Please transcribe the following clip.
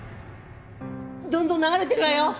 どんどん流れてるわよ！